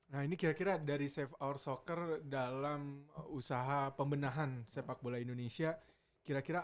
nah ini kira kira dari save our soccer dalam usaha pembenahan sepak bola indonesia kira kira